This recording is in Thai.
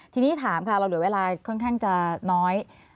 ทีนี้ถามค่ะเราเหลือเวลาค่อนข้างจะน้อย